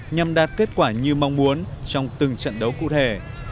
nhằm đạt kết quả như mong muốn trong từng trận đấu cụ thể